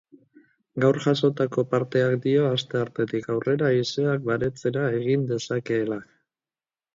Gaur jasotako parteak dio asteartetik aurrera haizeak baretzera egin dezakeela.